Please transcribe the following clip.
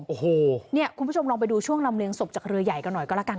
คุณผู้ชมลองไปดูช่วงลำเรืองศพจากเรือใหญ่กันหน่อยก็ละกันค่ะ